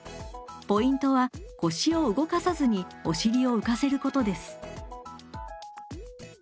ポイントは腰を動かさずにお尻を浮かせることです。